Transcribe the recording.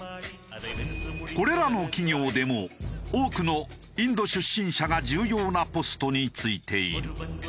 これらの企業でも多くのインド出身者が重要なポストに就いている。